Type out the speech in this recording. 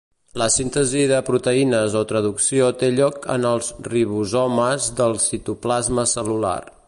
La síntesi de proteïnes o traducció té lloc en els ribosomes del citoplasma cel·lular.